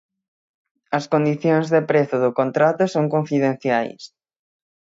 As condicións de prezo do contrato son confidenciais.